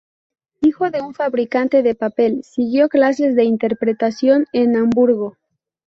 Hijo de un fabricante de papel, siguió clases de interpretación en Hamburgo.